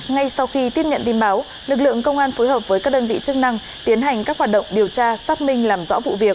ngay sau khi tiếp nhận tin báo lực lượng công an phối hợp với các đơn vị chức năng tiến hành các hoạt động điều tra xác minh làm rõ vụ việc